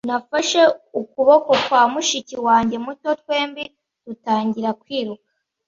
Nafashe ukuboko kwa mushiki wanjye muto, twembi dutangira kwiruka.